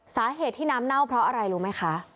สาเหตุที่น้ำเน่าเพราะอะไรรู้ไหมคะ